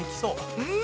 うん。